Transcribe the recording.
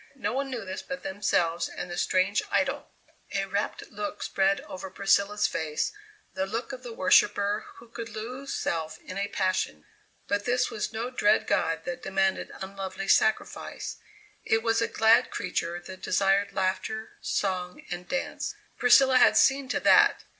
No one knew this but themselves and the strange idol! A rapt look spread over Priscilla's face; the look of the worshipper who could lose self in a passion. But this was no dread god that demanded unlovely sacrifice. It was a glad creature that desired laughter, song, and dance. Priscilla had seen to that.